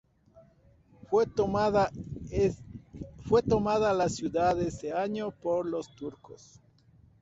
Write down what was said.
Fue tomada la ciudad ese año por los turcos.